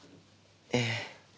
ええ。